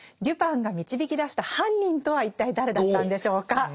デュパンが導き出した犯人とは一体誰だったんでしょうか。